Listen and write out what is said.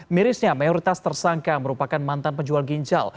mirisnya mayoritas tersangka merupakan mantan penjual ginjal